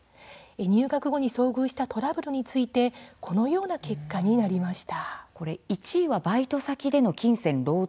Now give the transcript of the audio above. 入学後に遭遇したトラブルについてこのような結果になりました。